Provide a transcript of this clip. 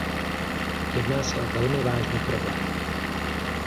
Jedná se o velmi vážný problém.